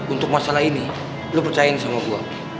untuk masalah ini lo percayain sama gue